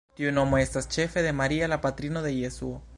Tiu nomo estas ĉefe de Maria, la patrino de Jesuo.